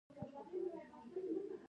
ما وويل چې زه خو د هغوى په منځ کښې نه وم.